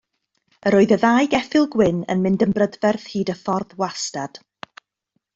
Yr oedd y ddau geffyl gwyn yn mynd yn brydferth hyd y ffordd wastad.